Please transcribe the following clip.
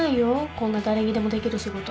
こんな誰にでもできる仕事。